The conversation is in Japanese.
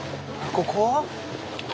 ここ？